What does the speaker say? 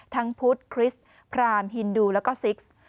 ทั้งพุทธคริสต์พราหมณ์ฮินดูแล้วก็ซิกซ์